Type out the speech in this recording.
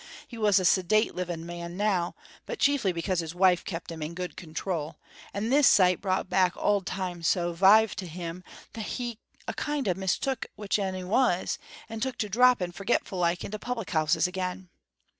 He was a sedate living man now, but chiefly because his wife kept him in good control, and this sight brought back auld times so vive to him, that he a kind of mistook which ane he was, and took to dropping, forgetful like, into public houses again.